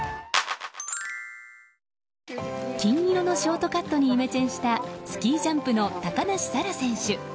金色のショートカットにイメチェンしたスキージャンプの高梨沙羅選手。